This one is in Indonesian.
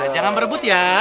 jangan merebut ya